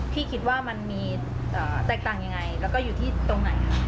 คิดว่ามันมีแตกต่างยังไงแล้วก็อยู่ที่ตรงไหนคะ